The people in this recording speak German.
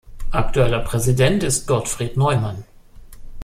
Aktueller Präsident ist Gottfried Neumann.